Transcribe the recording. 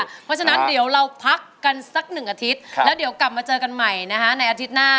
เพราะฉะนั้นเราพักกันสักหนึ่งอาทิตย์แล้วกลับเจอกันใหม่อาทิตย์หน้า